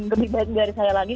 lebih baik dari saya lagi